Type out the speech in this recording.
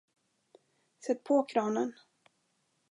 Sätt på kranen.